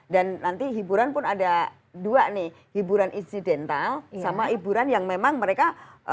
dan nanti hiburan pun ada dua nih hiburan insidental sama hiburan yang memang mereka